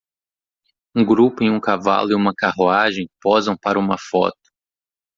Um grupo em um cavalo e uma carruagem posam para uma foto.